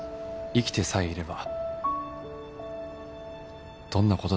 生きてさえいれば